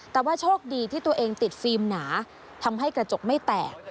แต่ว่าโชคดีที่ตัวเองติดฟิล์มหนาทำให้กระจกไม่แตก